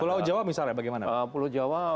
pulau jawa misalnya bagaimana